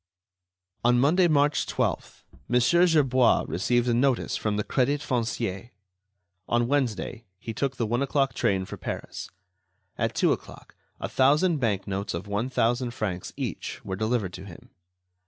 On Monday, March 12th, Mon. Gerbois received a notice from the Crédit Foncier. On Wednesday, he took the one o'clock train for Paris. At two o'clock, a thousand bank notes of one thousand francs each were delivered to him.